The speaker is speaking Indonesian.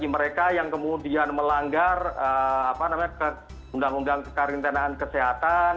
mereka yang kemudian melanggar undang undang kekarantinaan kesehatan